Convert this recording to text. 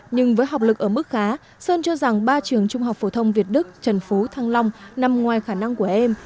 nhưng với học lực ở mức khá sơn cho rằng ba trường trung học phổ thông việt đức trần phú thăng long nằm ngoài khả năng của em